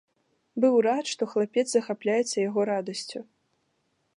Быў рад, што хлапец захапляецца яго радасцю.